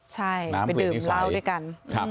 ใช่ไปดื่มเหล้าด้วยกัน